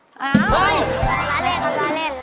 ถ้าเล่นก็ล้่าเล่น